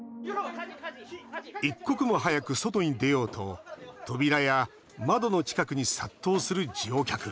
一刻も早く外に出ようと扉や窓の近くに殺到する乗客。